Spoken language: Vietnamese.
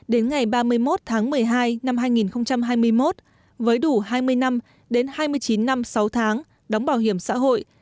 đến ngày ba mươi một tháng một mươi hai năm hai nghìn hai mươi một với đủ hai mươi năm đến hai mươi chín năm sáu tháng đóng bảo hiểm xã hội